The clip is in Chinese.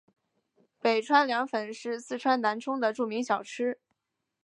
川北凉粉是四川南充的著名小吃。